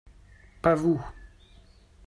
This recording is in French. Pas vous.